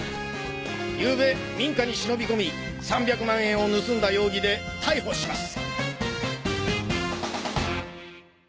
ゆうべ民家に忍び込み３００万円を盗んだ容疑で逮捕します。